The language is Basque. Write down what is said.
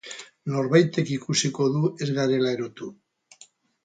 Norbaitek ikusiko du ez garela erotu.